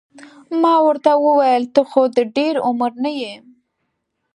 ما ورته وویل ته خو د ډېر عمر نه یې.